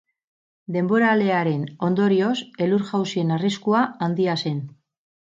Denboralearen ondorioz elur-jausien arriskua handia zen.